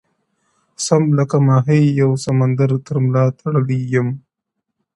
• سم لكه ماهى يو سمندر تر ملا تړلى يم،